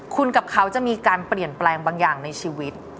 คุณกับเขาจะมีการเปลี่ยนแปลงบางอย่างในชีวิต